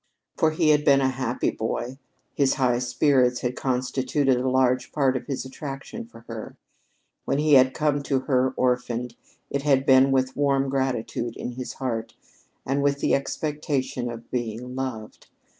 For he had been a happy boy. His high spirits had constituted a large part of his attraction for her. When he had come to her orphaned, it had been with warm gratitude in his heart, and with the expectation of being loved.